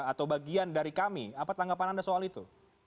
atau bagian dari kami apa tanggapan anda soal itu